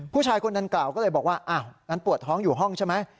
ผู้ชายคนดังกล่าวก็เลยบอกว่าอ้าวงั้นปวดท้องอยู่ห้องใช่ไหม